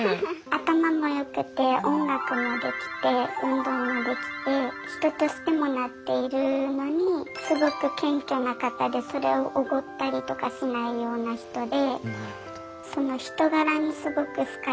頭もよくて音楽もできて運動もできて人としてもなっているのにすごく謙虚な方でそれをおごったりとかしないような人で。